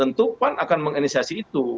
tentu pan akan menginisiasi itu